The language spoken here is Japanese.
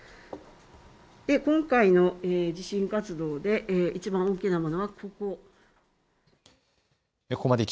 今回の地震活動でいちばん大きなものはここです。